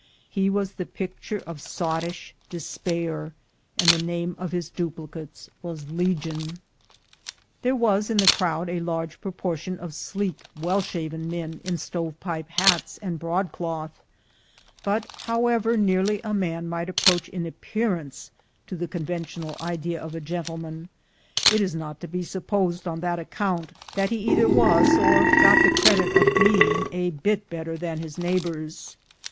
He was the picture of sottish despair, and the name of his duplicates was legion. There was in the crowd a large proportion of sleek well shaven men, in stove pipe hats and broadcloth; but, however nearly a man might approach in appear ance to the conventional idea of a gentleman, it is not to be supposed, on that account, that he either was, or got the credit of being, a bit better than his neighbors.